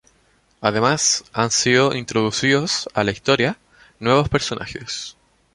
Además, han sido introducidos a la historia nuevos personajes.